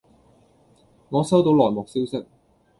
我收到內幕消息